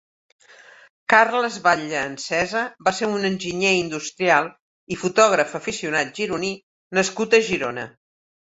Carles Batlle Ensesa va ser un enginyer industrial i fotògraf aficionat gironí nascut a Girona.